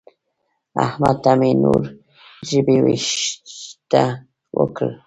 احمد ته مې نور ژبې وېښته وکړل.